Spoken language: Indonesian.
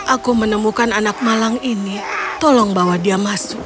aku menemukan anak malang ini tolong bawa dia masuk